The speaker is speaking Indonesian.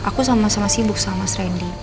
aku sama sama sibuk sama mas randy